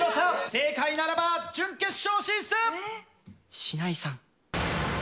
正解ならば準決勝進出。